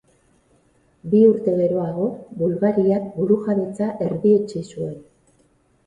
Bi urte geroago, Bulgariak burujabetza erdietsi zuen.